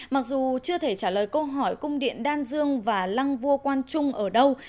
mặc dù chưa thể trả lời câu hỏi cung điện đan dương và lăng vua quan trung ở đâu